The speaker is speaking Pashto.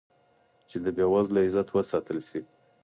چې د بې وزله عزت وساتل شي.